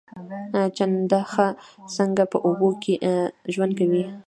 چنډخه څنګه په اوبو کې ژوند کوي؟